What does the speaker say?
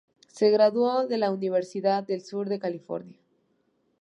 Se graduó de la Universidad del Sur de California.